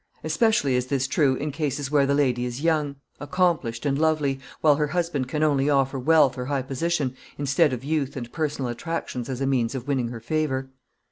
Especially is this true in cases where the lady is young, accomplished, and lovely, while her husband can only offer wealth or high position instead of youth and personal attractions as a means of winning her favor.